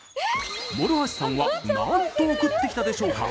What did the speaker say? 諸橋さんはなんと送ってきたでしょうか？